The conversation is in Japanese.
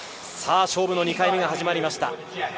勝負の２回目が始まりました。